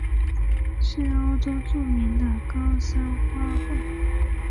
是欧洲著名的高山花卉。